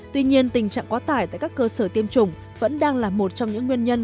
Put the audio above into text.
tuy nhiên tình trạng quá tải tại các cơ sở tiêm chủng vẫn đang là một trong những nguyên nhân